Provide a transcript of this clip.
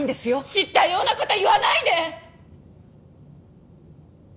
知ったような事言わないで！！